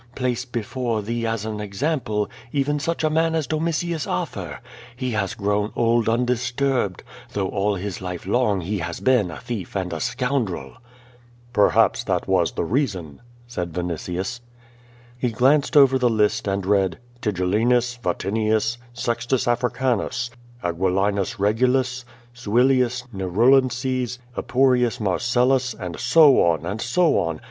Place be fore thee as an example even such a man as Domitius Afcr. He has grown old undisturbed, though all his life long he has been a thief and a scoundrel." "Perhaps that was the reason," said Vinitius. He glanced over the list and read, "Tigellinus, Vatinius, Sextus Africanus, Aguilinus Regulus, Suilius Xerulinccs, Ei) rius Marcellus, and so on, and so on.